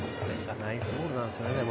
ナイスボールなんですよね。